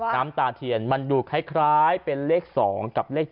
น้ำตาเทียนมันดูคล้ายเป็นเลข๒กับเลข๗